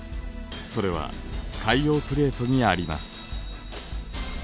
それは海洋プレートにあります。